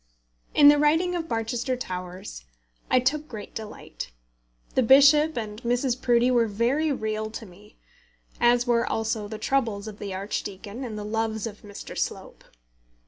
In the writing of Barchester Towers I took great delight. The bishop and Mrs. Proudie were very real to me, as were also the troubles of the archdeacon and the loves of Mr. Slope.